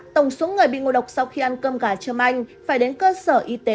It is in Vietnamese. tổng số người bị ngô độc sau khi ăn cơm gà trầm anh phải đến cơ sở y tế